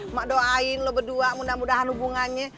mak doain lo berdua mudah mudahan hubungannya